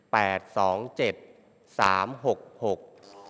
สองเจ็ดสามหกหก